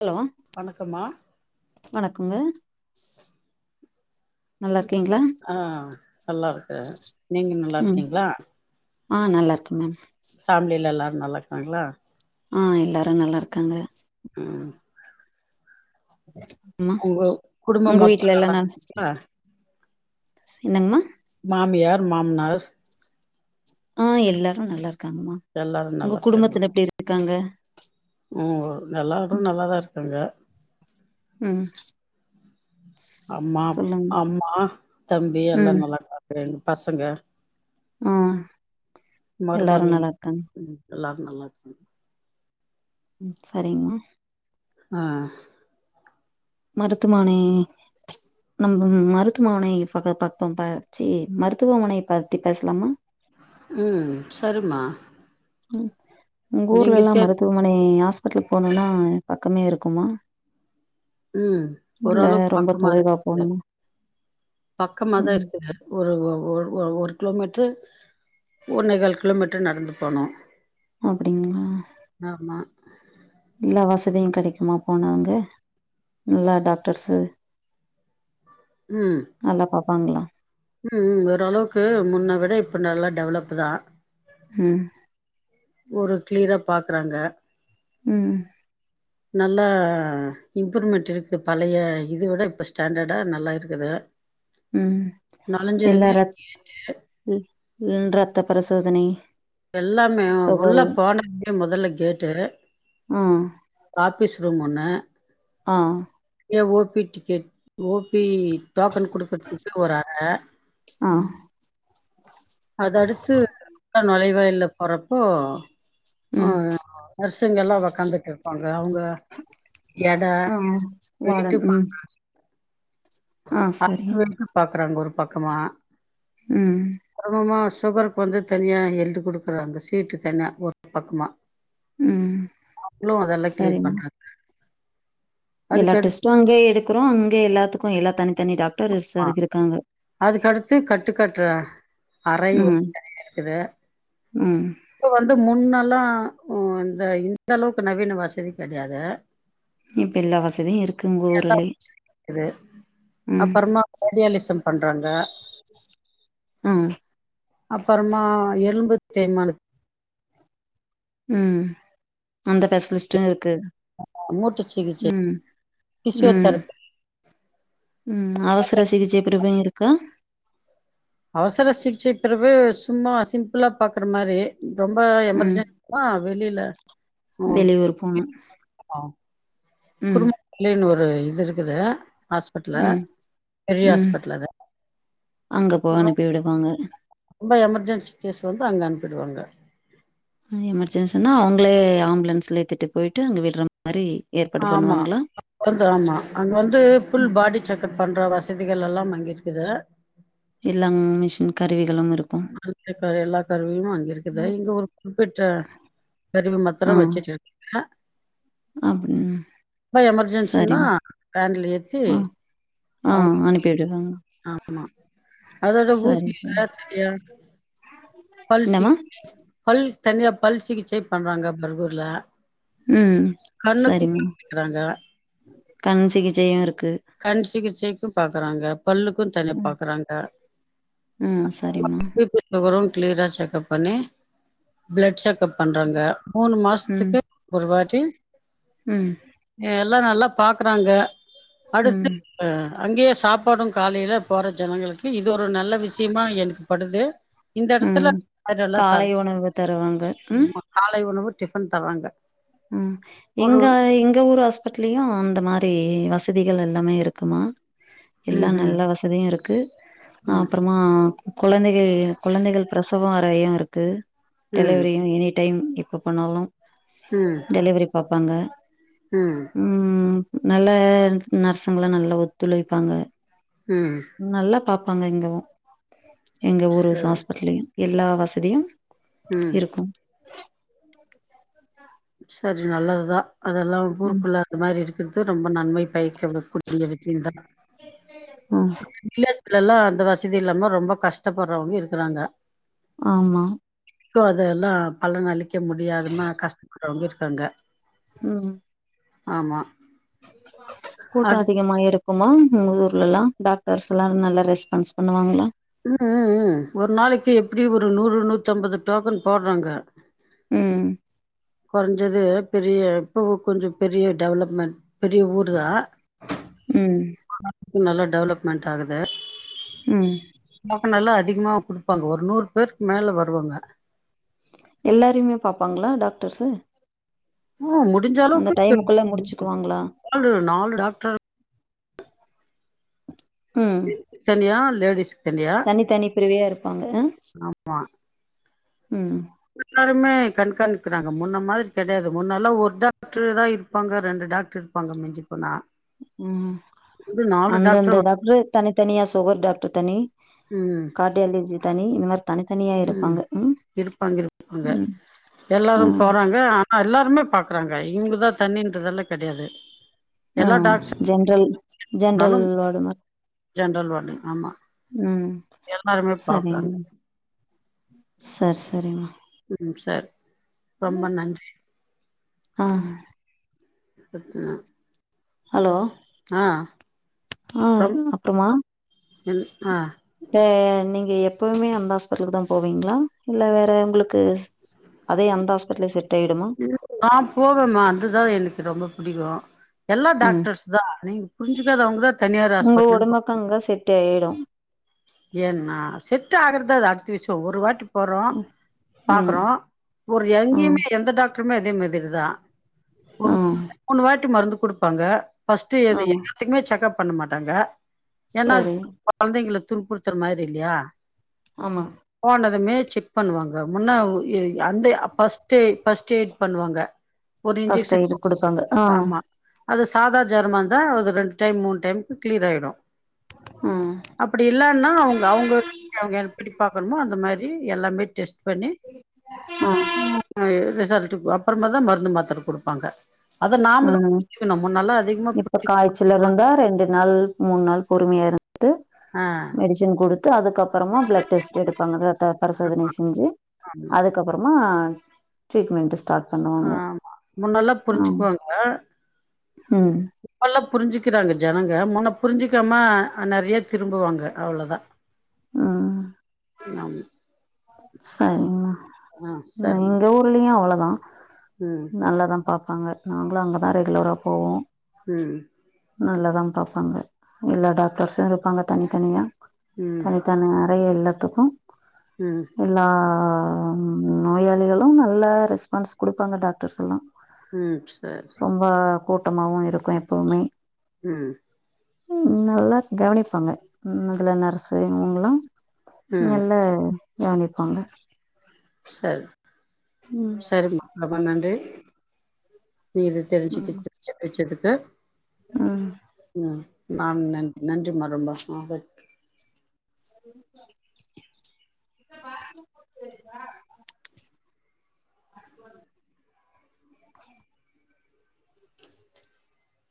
Hello வணக்கமா வணக்கங்க நல்லா இருக்கீங்களா ஆ நல்லா இருக்கு நீங்கள் ம் நல்லாருக்கீங்களா ஆ நல்லா இருக்கு மேம் ஃபேமில எல்லாரும் நல்லருக்காங்களா ஆ எல்லோரரும் நல்லாருக்காங்க உம் ஆமா உங்க குடும்பம் உங்க மொத்தோ வீட்டு எல்லா நல்லா இருக்கீங்களா எண்ணக மா மாமியார் மாம்னார் ஆ எல்லாரும் நல்லா இருக்காங்கமா எல்லாரு உங்க நல்லா குடும்பத்துல இருக்காங்களா எப்படி இருக்காங்க ம் எல்லாரும் நல்லா தா இருக்காங்க உம் அம்மா அம்மா தம்பி எல்லா ம் நல்லாக்க எங்க பசங்க ஆ எல்லாரு மருமகள்ல நல்லா இருக்காங்க எல்லா நல்லா இருக்காங்க சரிங்கமா ஆ மருத்துமானே நம்ம மருத்துவமனை பக்க பக்க பச்சி மருத்துவமனைைய பத்தி பேசலாமா ம் சரிமா உங்க ஊர்ல எல்லா தெர் மருத்துவமனை ஹாஸ்பிடல் போனும்னா பக்கமே இருக்குமா ம் இல்ல ரொம்ப தொலைவா போணுமா பக்கமாதா ம் இருக்குது ஒரு ஒரு கிலோமீட்டரு ஒண்ணே கால் கிலோமீட்ட்ரு நடந்து போனோம் அப்படிங்களா ஆமா எல்லா வசதியும் கிடைக்குமா போனாங்க நல்லா டாக்டர்ஸு [unintelligible] உம் நல்ல பாப்பாங்களா ம் ஓரளவுக்கு முன்ன விட இப்போ நல்லா டெவலப் தா ம் ஒரு கிளீரா பாக்குறாங்க ம் நல்ல இம்ப்ரூவ்மெண்ட் இருக்கு பழைய இத விட இப்ப ஸ்டாண்டர்ட நல்லா இருக்குது ம் எல்லா நொழஞ்சதுமே ரத் உ ரத்த பரிசோதனை எல்லாமே உள்ள சுகர் போனே முதல்ல கேட்டு ஆ ஆஃபீஸ் ரூம் ஒன்னு ஆ இங்க ஓபி டிக்கட் ஓபி டோக்கன் குடுக்கதுட்டு வோராக ஆ அத அடுத்து உள்ள நுழைவாயில் போறப்போ ஆ ம் நர்சுங்கல்லாம் உக்காந்துட்டு இருப்பாங்க அவங்க ஆ வெயிட்டு வாடன் ம் பாக் ஆ சரி அதுக்கு வெட்டு பாக்குறாங்க ஒரு பக்கமா ம் கிரபமா சுகருக்கு வந்து தனியா எழுதி கொடுக்குறாங்க சீட்டு தனியா ஒரு பக்கமா ம் அவளு அதெல்லாம் கிளீர் சரிம்மா பண்றா எல்லா டெஸ்ட்டு அங்கே எடுக்குறோ அங்கே எல்லாத்துக்கு எல்லா தனித்தனி டாக்டர்ஸ் ஆ இருக்காங்க அதுக்கடுத்து கட்டுக்கட்டுற அறை ம் ஒன்னு இருக்குது ம் இப்ப வந்து முன்னெல்லா ம் இந்த இந்த அளவுக்கு நவீன வசதி கிடையாது இப்ப எல்லா வசதியு இருக்கு எல்லா ஊருலயு ம் கார்டியாலிசம் பண்றாங்க ம் அப்பறமா எழும்பு தேய்மானத் ம் அந்த ஸ்பெஷலிஸ்ட்டு இருக்கு முட்டு சிகிச்சை ம் பிசியோ ம் தெரப்பி ம் அவசர சிகிச்சை பிரிவும் இருக்கா அவசர சிகிச்சை பிரிவு சும்மா சிம்பிளா பாக்குற மாறி ரொம்ப ம் எமர்ஜென் ஆ வெளில ம் வெளியூர் போனும் ஆ குறும் புள்ளைனு ஒரு இது இருக்குது ஹாஸ்பிட்டல ம். பெரிய ம். ஹாஸ்பிட்டல் அது அங்க போ அனுப்பி விடுவாங்க. ரொம்ப எமர்ஜென்சி கேஸ் வந்து அங்கே அனுப்பிடுவாங்க எமர்ஜென்சினா அவங்களே ஆம்புலன்ஸ்ஸில ஏத்திட்டு போய்ட்டு அங்கே விடுற மாறி ஆமா வருது ஆமா அங்க வந்து ஃபுல் பாடி செக்ப் பண்ற வசதிகள் எல்லா அங்க இருக்குது எல்லாம் மிஷின் கருவிகளும் இருக்கு குறிப்பிட்ட எல்லா கருவியும் அங்க இருக்குது ம். இங்க ஒரு குறிப்பிட்ட கருவி மாத்திர வச்சிட்டு இருக்காங்க அப்டின் ரொம்ப எமஜென்சினா வேன்ல ஏத்தி ஆ. ஆ அவங்க அனுப்பி விடுறாங்க ஆமா அதோட ஊசி சரி. தயாரிச்சிட்டியா பல்சி என்னம்மா? [unintelligible] பல் தனியா பல் சிகிச்சை பண்றாங்க பர்கூர்ல ம். கண்ணுக்கு சரிம்மா. காமிக்கறாங்க கண் சிகிச்சையு இருக்கு கண் சிகிச்சைக்கு பாக்குறாங்க பல்லுக்கு தனியா ம். பாக்குறாங்க ம் சரிம்மா [unintelligible] அப்றோ கிளியரா செக்கப் பண்ணி பிளட் செக்கப் பண்றாங்க மூணு ம். மாசத்துக்கு ஒரு வாட்டி ம் எல்லா நல்லா பாக்குறாங்க அடுத்து ம். அங்கேயே சாப்பாடு காலையில போற ஜனங்களுக்கு இது ஒரு நல்ல விஷியோ மா எனக்கு படுது இந்த எடத்துல ம். வயிறு நல்லா காலை சாதோ உணவு தருவாங்க. ம். ம்மா காலை உணவு டிஃபன் தராங்க ம் ஒரு எங்க எங்க ஊரு ஹாஸ் பிட்லயு அந்த மாரி வசதிகள் எல்லாமே இருக்குமா எல்லா ம்ஹும் நல்ல வசதியு இருக்கு ம் அப்றோமா குழந்தைகள் குழந்தைகள் பிரச வோ அறையு இருக்கு ம் டெலிவரியு எனி டைம் எப்ப போண்ணாலு ம் டெலிவரி பாப்பாங்க ம் ம் நல்ல நர்ஸ்ங்களு நல்லா ஒத்துழைப்பாங்க ம் நல்லா பாப்பாங்க இங்கவு எங்க ஊரு சரி ஹாஸ்பிட்டலயு எல்லா வசதியு ம் இருக்கு [unintelligible] சரி நல்லதுதா அதெல்லா ம். ஊருக்குள்ள அது மாரி இருக்குறது ரொம்ப நன்மை பைக்கூட கைய வித்திந்தா ம். வில்லேஜில எல்லா அந்த வசதி இல்லாம ரொம்ப கஷ்டப்படுறவங்க இருக்குறாங்க ஆமா இன்னு அதெல்லா பலன அளிக்க முடியாதமா கஷ்டப்படுறவங்க இருக்காங்க ம் ஆமா கூட்டோ அடு அதிகமா இருக் குமா உங்க ஊர்ல்லா டாக்டர்ஸ் எல்லாரு நல்லா ரெஸ்பான்ஸ் பண்ணுவாங்ளா ம் ம் ம் ஒரு நாளைக்கு எப்டியு ஒரு நூறு நூத்தம்பது டோக்கன் போடுறாங்க ம் கொறஞ்சது பெரிய இப்போ கொஞ்சோ பெரிய டெவலப்மெண்ட் பெரிய ஊர் தா ம் நல்லா டெவலப்மெண்ட் ஆகுது ம் டோக்கன் எல்லா அதிகமா குடுப்பாங்க ஒரு நூறு பேருக்கு மேல வருவாங்க எல்லாரையுமே பாப்பாங்ளா டாக்டர்ஸ் ஓ முடிஞ்ச அளவுக்கு டைமுக்குள்ள பேப் முடிச்சுக்குவாங்களா நாலு நாலு டாக்டர் ம் இது தனியா லேடீஸ் தனி தனி பிரிவையா இருப்பாங்க ம் எல்லாருயு மே கண்காணிக்கிறாங்க முன்ன மாரி கெடையாது முன்னல்லா ஒரு டாக்டரு தா இருப்பாங்க ரெண்டு டாக்டர் பாங்க மிஞ்சி போனா ம் இது நாலு அந்தந்த டாக்டர் வ டாக்ட்ரு தனி தனியா சுகர் டாக்ட்ரு தனி ம் கா ர்டியாலிஜி தனி இந்த மார் ம் இருப்பாங்க இருப்பாங்க ம் ஆ எல்லாரும் போறாங்க ஆ ஆ எல்லாருமே பாக்கறாங்க இவங்கதா தனின்றதெல்லா கெடையாது ஆ எல்லா டாக்டர்ஸ்னாலு ஜென்ரல் ஜென்ரல் வார்டுங்க ஜென்ரல் வார்டுங் ஆமா ம் எல்லாருமே பாப்பாங்க சர் சரிம்மா ம் சார் ரொம்ப நன்றி ஆ [inaudible] ஹலோ ஆ ஆ ரொம் என் ஆ டே‌ நீங்க எப்பவுமே அந்த ஹாஸ்பெட்ளுக்கு தா போவீங்ளா இல்ல வேற உங்குளுக்கு அதே அந்த ஹாஸ்பிடலே சேப் நா போவேம்மா அதுதா எனக்கு ரொம்ப புடிக்கு எல்லா ம் டாக்டர்ஸ் தா நீங்க புருஞ்சுகாதாவங்கதா தனியார் உங்க ஹாஸ்பிட்டல்னு போ உடம்புக்கு அங்க செட்டேய்டு ஏன்னா செட் ஆகுறத அது அடுத்த விஷ்யோ ஒரு வாட்டி போறோ ம் பாக்குறோ ஒரு ம் எங்கயுமே எந்த டாக்டருமே அதே மாதிரி தா ஆ ஒரு மூணு வாட்டி மருந்து குடுப் பாங்க ஃபர்ஸ்ட் ஆ எது எல்லாத்துக்குமே செக்அப் பண்ண மாட்டாங்க ஏன்னா அது சரி கொழந்தைங்கல துன்புறுத்துற மாரி இல்லையா ஆமா போனதுமே செக் பண்ணுவாங்க முன்னா எ அந்தே ஃபர்ஸ்ட் டே ஃபஸ்ட்டேய்டு பண்ணுவாங்க ஒரு இன்ஜெக்ஷன் ஃபஸ்ட்டெய்டு போடுவாங்க. குடுப்பாங்க ஆ ஆமா அது சாதா ஜொரமா இந்தா அது ரெண்டு டைம் மூணு டைமுக்கு கிளீர் ஆயிடு ம் அப்டி இல்லன்னா அவங்க அவங்க அவங்க எ எப்டி பாக்கணுமோ அந்த மாரி எல்லாமே டெஸ் பண்ணி ஆ ஆ ரிசல்ட்டு அப்பறமா தா மருந்து மாத்தர குடுப்பாங்க அத நாம தா கணு முன்னல்லா அதிகமா புசி தில்லர் இரந்தா ரெண்டு நாள் மூணு நாள் பொறுமையா இருந்துட்டு ஆ மெடிசின் குடுத்து அதுக்கப்பறமா பிளட் டெஸ்ட் எடுப்பாங்க ரத்த பரிசோதனை செஞ்சு ஆ அதுக்கப்பறமா ட்ரீட்மெண்ட் ஸ்டார்ட் ஆ பண்ணுவாங்க முன்னல்லா ம் புரிஞ்சுக்குவாங்க ம் இப்பல்லா புரிஞ்சுக்கிறாங்க ஜனங்க முன்ன புரிஞ்சிக்காம நெறைய திரும்புவாங்க அவ்ளோதா ஆ நம் சரிமா ஆ சரிம்மா எங்க ஊர்லியு அவ்ளோதா ம் நல்லாதா பாப்பாங்க நாங்களு அங்கதா ரெகுலரா போவோ ம் நல்லா தா பாப்பாங்க எல்லா டாக்டர்ஸ்சு இருப்பாங்க தனித்தனியா ம் தனித் தன் நெறைய இல்லத்துக்கு ம் எல்லா நோயாளிகளு நல்லா ரெஸ்பான்ஸ் கொடுப்பாங்க டாக்டர்ஸ் எல்லா ம் சரி சரி ரொம்ப கூட்டமாவு இருக்கு எப்பவுமே ம் ம் நல்லா கவனிப்பாங்க ம் அதுல நர்ஸூ இவங்கலா ம் நல்ல கவனிப்பாங்க சேரி ம் சேரிமா ரொம்ப நன்றி நீ இது தெரிஞ்சுட்டு ம், தெரியவச்சதுக்கு ம். ம் நா நன் நன்றிமா ரொம்பா ஆபத் வரப்போ கூட்டுபோய்டுங்கோ